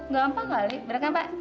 gak apa kali bener kan pak